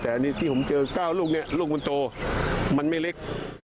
แต่อันนี้ที่ผมเจอ๙ลูกเนี่ยลูกคนโตมันไม่เล็ก